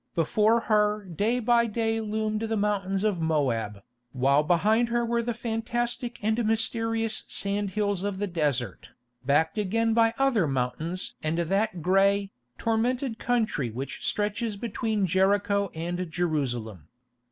Before her day by day loomed the mountains of Moab, while behind her were the fantastic and mysterious sand hills of the desert, backed again by other mountains and that grey, tormented country which stretches between Jericho and Jerusalem.